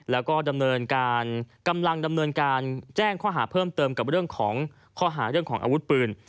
และก็กำลังดำเนินการแจ้งข้อหาเพิ่มเติมกับข้อหาเรื่องของอาวุธปืน